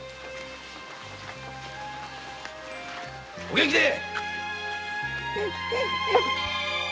お元気で。